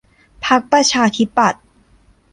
พรรคประชาธิปัตย์